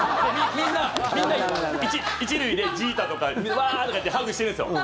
みんな１塁でジーターとかわーとかって言ってハグしてるんですよ。